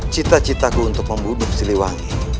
cita citaku untuk membunuh siliwangi